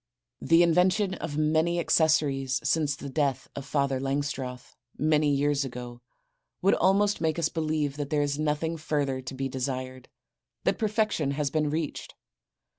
The invention of many accessories since the death of Father Langstroth, many years ago, would almost make us believe that there is nothing further to be desired, that perfection has been reached.